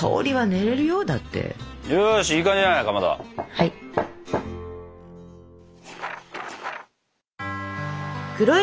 はい。